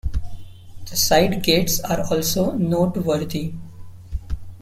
The side gates are also noteworthy.